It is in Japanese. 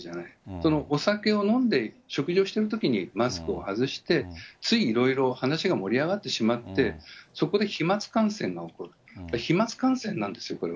そのお酒を飲んで、食事をしてるときにマスクを外して、ついいろいろ話が盛り上がってしまって、そこで飛まつ感染が起こる、飛まつ感染なんですよ、これは。